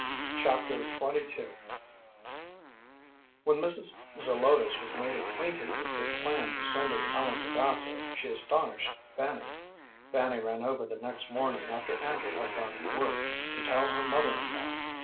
Chapter XXII When Mrs. Zelotes was made acquainted with the plan for sending Ellen to Vassar she astonished Fanny. Fanny ran over the next morning, after Andrew had gone to work, to tell her mother in law.